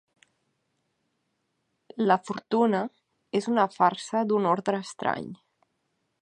"La fortuna" és una farsa d'un ordre estrany.